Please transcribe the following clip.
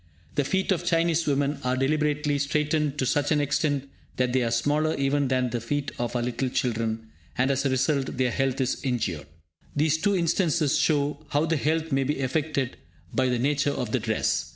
The feet of Chinese women are deliberately straitened to such an extent that they are smaller even than the feet of our little children, and, as a result, their health is injured. These two instances show how the health may be affected by the nature of the dress.